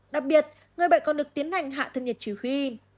đặc biệt người bệnh còn được tiến hành hạ thân nhiệt chỉ huy